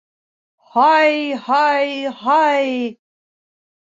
Һай, һай, һай...